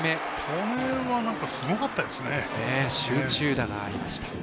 これはすごかったですね。